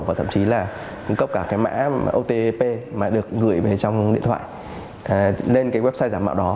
và thậm chí là cung cấp cả cái mã otp mà được gửi về trong điện thoại lên cái website giả mạo đó